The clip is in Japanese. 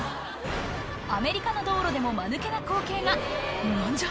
アメリカの道路でもマヌケな光景が何じゃ？